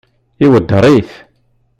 Iweddeṛ-it?